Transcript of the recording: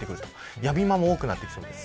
やみ間も多くなってきそうです。